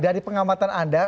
dari pengamatan anda